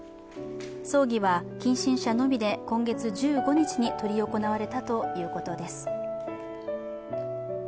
葬儀は近親者のみで今月１５日に執り行われたということです。